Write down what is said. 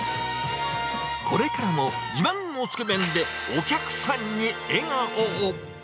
これからも自慢のつけ麺でお客さんに笑顔を。